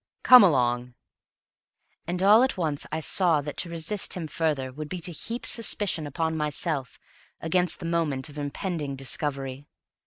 "Come along." And all at once I saw that to resist him further would be to heap suspicion upon myself against the moment of impending discovery.